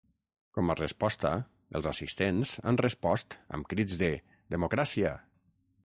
Com a resposta, els assistents han respost amb crits de ‘democràcia’.